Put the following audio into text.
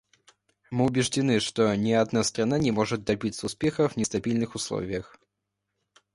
Мы убеждены, что ни одна страна не может добиться успеха в нестабильных условиях.